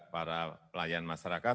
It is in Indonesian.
para pelayan masyarakat